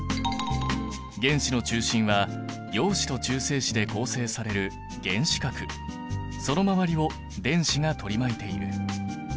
原子の中心は陽子と中性子で構成される原子核その周りを電子が取り巻いている。